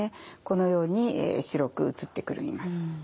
このように白く写ってきます。